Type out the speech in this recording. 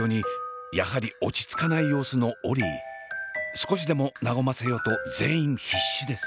少しでも和ませようと全員必死です。